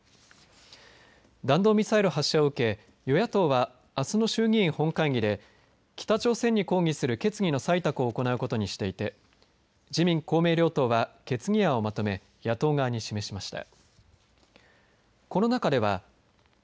弾道ミサイル発射を受け与野党は、あすの衆議院本会議で北朝鮮に抗議する決議の採択を行うことにしていて自民・公明両党は決議案をまとめ野党側に示しました。